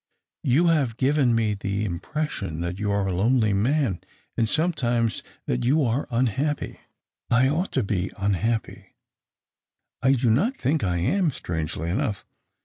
" You have given me the impression that you are a lonely man, and sometimes that you are unhappy." 196 THE OCTAVE OF CLAUDIUS. " I ought to be unhappy. I do not think I am, strangely enough."